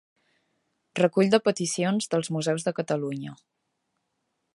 Recull de peticions dels museus de Catalunya.